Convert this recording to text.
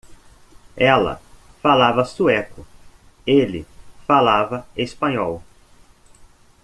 Ela falava sueco? ele falava espanhol.